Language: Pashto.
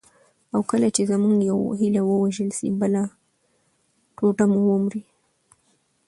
او کله چي زموږ یوه هیله ووژل سي، بله ټوټه مو ومري.